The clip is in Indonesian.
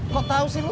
kok tau sih lu